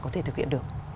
thực hiện được